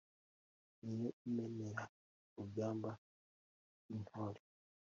ni yo imenera urugamba rw' intore